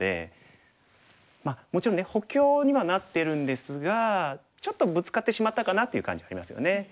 まあもちろんね補強にはなってるんですがちょっとブツカってしまったかなっていう感じはありますよね。